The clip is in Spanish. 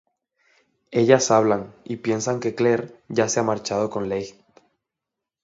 Ellas hablan, y piensan que Clair ya se ha marchado con Leigh.